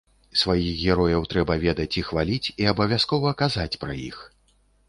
Сваіх герояў трэба ведаць і хваліць, і абавязкова казаць пра іх.